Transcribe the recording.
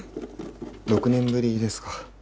６年ぶりですか。